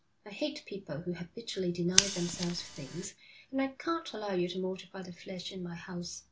I hate people who habitually deny themselves things, and I can't allow you to mortify the flesh in my house.'